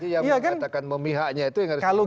jadi yang mengatakan memihaknya itu yang harus dibuktikan